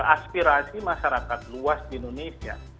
aspirasi masyarakat luas di indonesia